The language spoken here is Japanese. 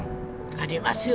ありますよ。